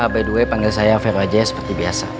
by the way panggil saya vero aja seperti biasa